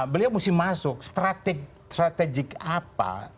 beliau mesti masuk strategik apa